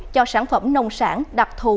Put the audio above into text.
cho sản phẩm nông sản đặc thù